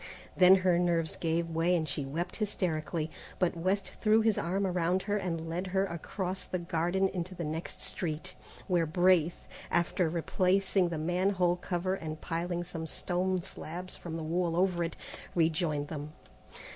Then her nerves gave way and she wept hysterically, but West threw his arm around her and led her across the gardens into the next street, where Braith, after replacing the man hole cover and piling some stone slabs from the wall over it, rejoined them.